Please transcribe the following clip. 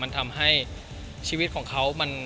มันทำให้ชีวิตของเขา